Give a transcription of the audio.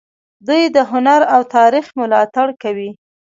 دوی د هنر او تاریخ ملاتړ کوي.